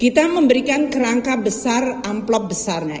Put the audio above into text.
kita memberikan kerangka besar amplop besarnya